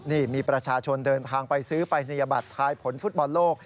นี่มีประชาชนเดินทางไปซื้อปรายศนียบัตรทายผลฟุตบอลโลก